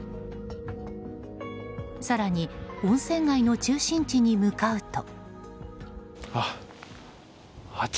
更に温泉街の中心地に向かうと。